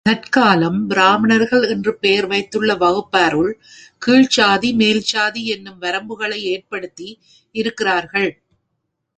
தற்காலம் பிராமணர்கள் என்று பெயர் வைத்துள்ள வகுப்பாருள் கீழ்ச்சாதி மேற்சாதி யென்னும் வரம்புகளை ஏற்படுத்தி இருக்கின்றார்கள்.